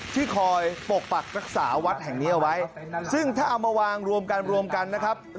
ที่คอยปกปักรักษาวัดแห่งนี้เอาไว้ซึ่งถ้าเอามาวางรวมกันรวมกันนะครับ